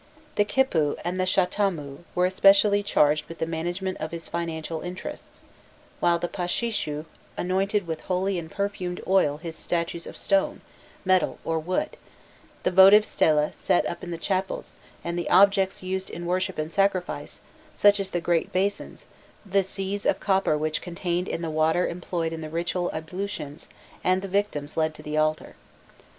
The "kipu" and the "shatammu" were especially charged with the management of his financial interests, while the "pashishu" anointed with holy and perfumed oil his statues of stone, metal, or wood, the votive stelae set up in the chapels, and the objects used in worship and sacrifice, such as the great basins, the "seas" of copper which contained the water employed in the ritual ablutions, and the victims led to the altar.